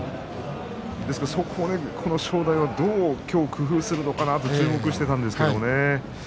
ですから、そこで正代はどう今日、工夫するのかなと注目していたんですけどね